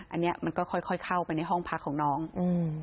อันนี้มันก็ค่อยค่อยเข้าไปในห้องพักของน้องอืม